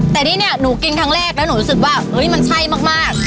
แต่ที่นี่หนูกินครั้งแรกแล้วหนูรู้สึกว่าเฮ้ยมันใช่มาก